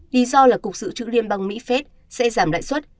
lý do là cục dự trữ liên bang mỹ sẽ giảm đại suất